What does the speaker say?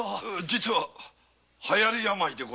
実は「はやり病」で。